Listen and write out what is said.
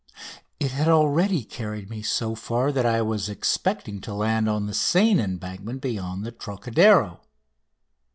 It had already carried me so far that I was expecting to land on the Seine embankment beyond the Trocadero.